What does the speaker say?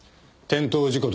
転倒事故？